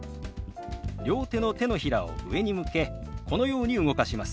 両手の手のひらを上に向けこのように動かします。